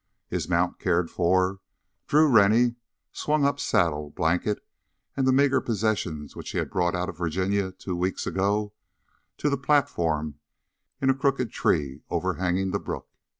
His mount cared for, Drew Rennie swung up saddle, blanket, and the meager possessions which he had brought out of Virginia two weeks ago, to the platform in a crooked tree overhanging the brook.